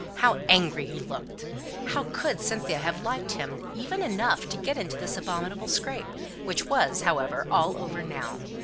How angry he looked! How could Cynthia have liked him even enough to get into this abominable scrape, which was, however, all over now!